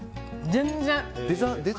全然。